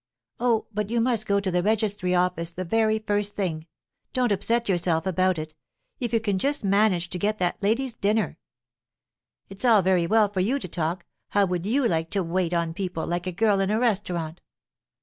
"Oh, but you must go to the registry office the very first thing. Don't upset yourself about it. If you can just manage to get that lady's dinner." "It's all very well for you to talk! How would you like to wait on people, like a girl in a restaurant?"